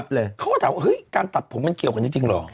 เขาก็ถามว่าเฮ้ยการตัดผมมันเกี่ยวกันจริงเหรอ